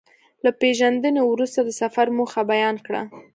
له پېژندنې وروسته د سفر موخه بيان کړه.